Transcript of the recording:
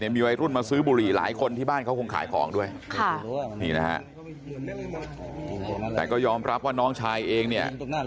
มีวัยรุ่นมาซื้อบุหรี่หลายคนที่บ้านเขาคงขายของด้วยค่ะนี่นะฮะแต่ก็ยอมรับว่าน้องชายเองเนี่ย